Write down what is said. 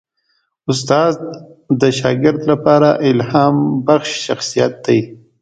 استاد د شاګرد لپاره الهامبخش شخصیت وي.